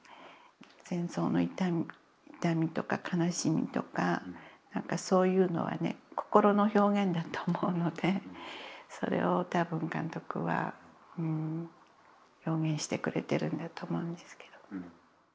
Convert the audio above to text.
戦争の痛みとか悲しみとかそういうのはね心の表現だと思うのでそれを多分監督は表現してくれてるんだと思うんですけど。